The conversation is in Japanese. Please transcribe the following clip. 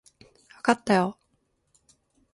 わかったよ